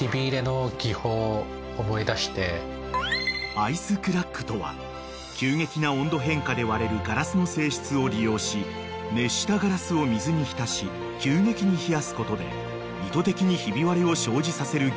［アイスクラックとは急激な温度変化で割れるガラスの性質を利用し熱したガラスを水に浸し急激に冷やすことで意図的にひび割れを生じさせる技法］